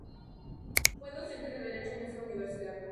Fue docente de derecho en esa Universidad.